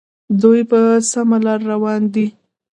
دوی په سمه لار روان دي.